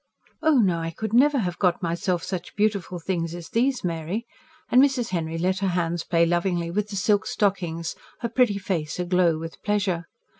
"Oh, no, I could never have got myself such beautiful things as these, Mary," and Mrs. Henry let her hands play lovingly with the silk stockings, her pretty face a glow with pleasure.